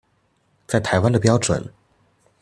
在台灣的標準